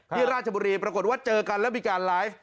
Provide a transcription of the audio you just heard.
ราชบุรีปรากฏว่าเจอกันแล้วมีการไลฟ์